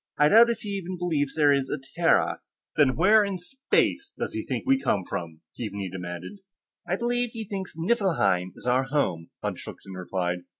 I doubt if he even believes there is a Terra." "Then where in Space does he think we come from?" Keaveney demanded. "I believe he thinks Niflheim is our home world," von Schlichten replied.